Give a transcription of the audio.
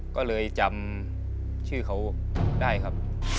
ก็เลยจำชื่อเขาได้ครับ